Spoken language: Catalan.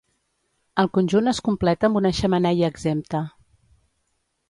El conjunt es completa amb una xemeneia exempta.